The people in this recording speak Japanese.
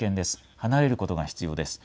離れることが必要です。